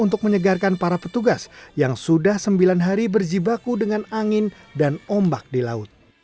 untuk menyegarkan para petugas yang sudah sembilan hari berjibaku dengan angin dan ombak di laut